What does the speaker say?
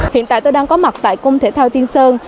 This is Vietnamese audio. hiện tại tôi đang có mặt tại cung thể thao tiên sơn